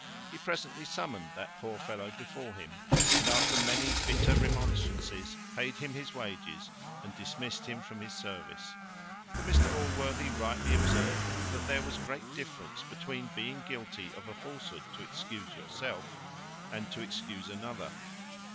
He presently summoned that poor fellow before him, and after many bitter remonstrances, paid him his wages, and dismist him from his service; for Mr Allworthy rightly observed, that there was a great difference between being guilty of a falsehood to excuse yourself, and to excuse another.